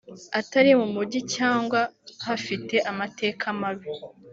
atari mu Mujyi cyangwa hafite amateka mabi